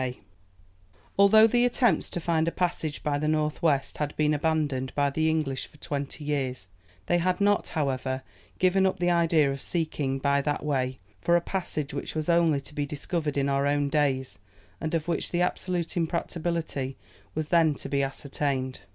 Although the attempts to find a passage by the north west had been abandoned by the English for twenty years, they had not, however, given up the idea of seeking by that way, for a passage which was only to be discovered in our own days, and of which the absolute impracticability was then to be ascertained.